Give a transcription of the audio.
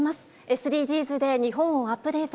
ＳＤＧｓで＃日本をアップデート。